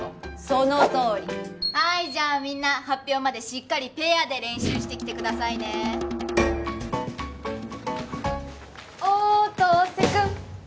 そのとおりはいじゃあみんな発表までしっかりペアで練習してきてくださいねおとせ君！